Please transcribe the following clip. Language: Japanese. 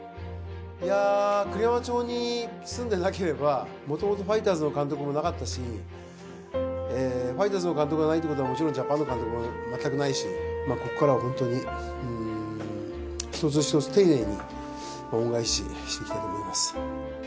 いやー、栗山町に住んでなければ、もともとファイターズの監督もなかったし、ファイターズの監督がないってことは、もちろんジャパンの監督も全くないし、ここからは本当に一つ一つ丁寧に恩返ししていきたいと思います。